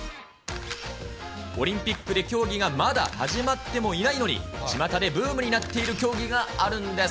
オリンピックで競技がまだ始まってもいないのに、ちまたでブームになっている競技があるんです。